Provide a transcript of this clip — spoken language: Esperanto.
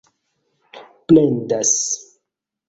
plendas